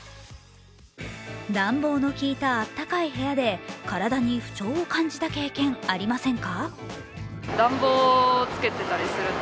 暖房の効いた暖かい部屋で体に不調を感じた経験、ありませんか？